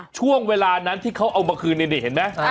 ช่วงเวลานั้นที่เขาเอามาคืนนี่เห็นไหม